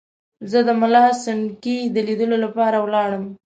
زه د ملا سنډکي د لیدلو لپاره ولاړم.